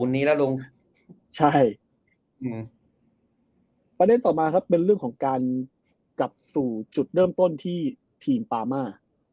ประโยชน์ต่อมาเป็นเรื่องของจะกลับมาจุดต้นที่ทีมปามา